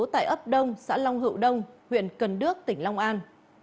tại ấp đông xã long hữu đông huyện cần đước tỉnh long an